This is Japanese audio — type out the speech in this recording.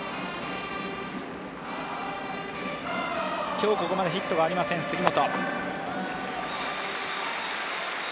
今日、ここまでヒットがありません杉本。